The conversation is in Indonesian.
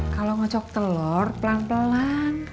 kalau ngecok telur pelan pelan